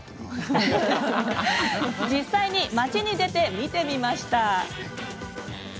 実際に街に出て見てみました。